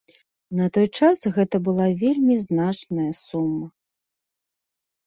На той час гэта была вельмі значная сума.